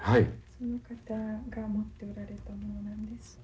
その方が持っておられたものなんです。